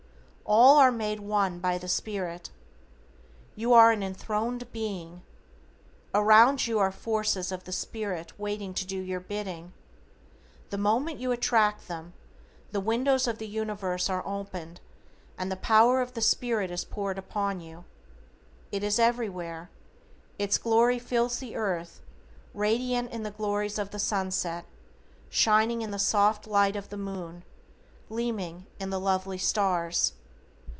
All are made one by the spirit. You are an enthroned BEING. Around you are forces of the spirit waiting to do your bidding. The moment you attract them, the windows of the Universe are opened and the power of the spirit is poured upon you. It is everywhere. It's glory fills the earth, radiant in the glories of the sunset, shining in the soft light of the moon, gleaming in the lovely stars.